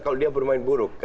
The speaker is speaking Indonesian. kalau dia bermain buruk